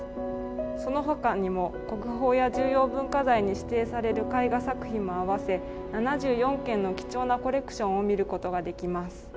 そのほかにも国宝や重要文化財に指定される絵画作品も合わせ７４件の貴重なコレクションを見ることができます。